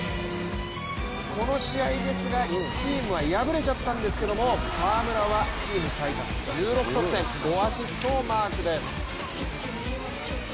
この試合ですが、チームは敗れちゃったんですけども河村はチーム最多の１６得点５アシストをマークです。